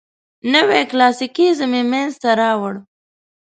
نوي کلاسیکیزم یې منځ ته راوړ.